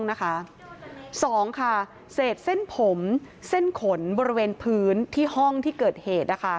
๒ค่ะเศษเส้นผมเส้นขนบริเวณพื้นที่ห้องที่เกิดเหตุ